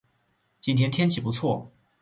今天天气不错